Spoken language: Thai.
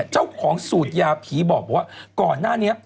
เจ้าของสูตรยาผีบอกว่าก่อนหน้านี้